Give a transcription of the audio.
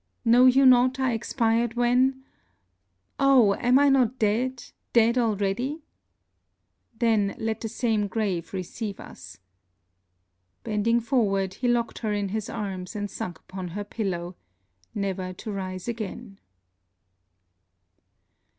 'Know you not I expired when Oh! Am I not dead dead already?' 'Then, let the same grave receive us!' Bending forward, he locked her in his arms, and sunk upon her pillow, never to rise again.